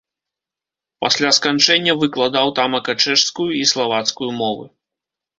Пасля сканчэння выкладаў тамака чэшскую і славацкую мовы.